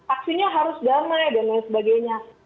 aksinya harus damai dan lain sebagainya